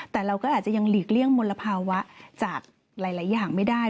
แต่เราก็อาจจะยังหลีกเลี่ยงมลภาวะจากหลายอย่างไม่ได้